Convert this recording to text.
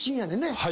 はい。